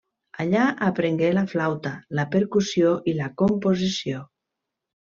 Allà aprengué la flauta, la percussió i la composició.